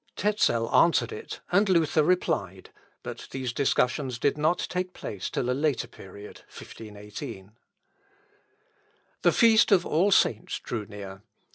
Tezel answered it, and Luther replied; but these discussions did not take place till a later period, (1518). The feast of All Saints drew near.